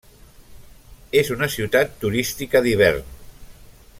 És una ciutat turística d'hivern.